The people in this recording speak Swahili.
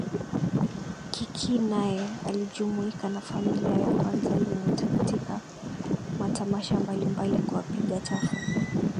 Kikii naye alijumuika na familia ya Kwanza Unit katika matamasha mbalimbali kuwapiga tafu